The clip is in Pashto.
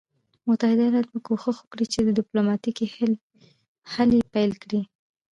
متحده ایالات به کوښښ وکړي چې ډیپلوماټیکي هلې پیل کړي.